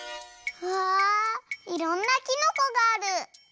わあいろんなきのこがある！